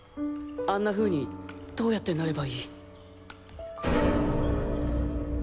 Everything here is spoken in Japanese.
あんな風にどうやってなればいい？